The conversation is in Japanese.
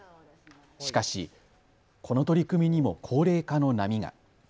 しかし、この取り組みにも高齢化の波が。